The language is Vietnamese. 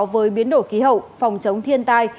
với biến đổi khí hậu phòng chống thiên tai